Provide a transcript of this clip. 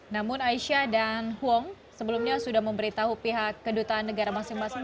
namun aisyah dan huong sebelumnya sudah memberitahu pihak kedutaan negara masing masing